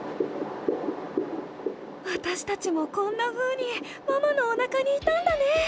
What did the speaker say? わたしたちもこんなふうにママのおなかにいたんだね！